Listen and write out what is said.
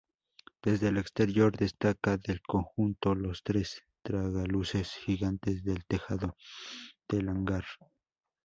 Desde el exterior destaca del conjunto los tres tragaluces gigantes del tejado del hangar.